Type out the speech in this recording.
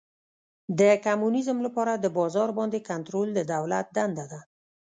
د کمونیزم لپاره د بازار باندې کنټرول د دولت دنده ده.